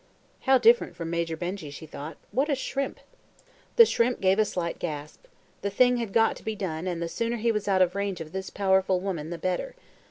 (How different from Major Benjy, she thought. What a shrimp!) The shrimp gave a slight gasp. The thing had got to be done, and the sooner he was out of range of this powerful woman the better.